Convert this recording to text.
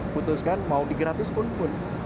putuskan mau di gratis pun pun